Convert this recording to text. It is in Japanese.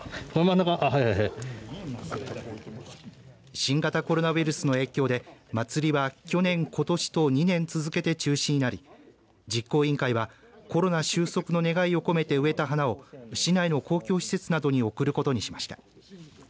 新型コロナウイルスの影響で祭りは去年、ことしと２年続けて中止になり実行委員会はコロナ収束の願いを込めて植えた花を市内の公共施設などに贈ることにしました。